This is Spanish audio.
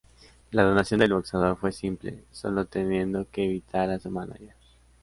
La donación del boxeador fue simple, solo teniendo que evitar a su mánager.